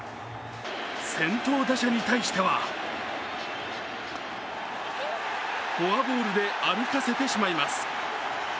先頭打者に対してはフォアボールで歩かせてしまいます。